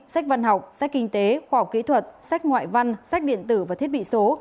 sách văn học sách kinh tế khoa học kỹ thuật sách ngoại văn sách điện tử và thiết bị số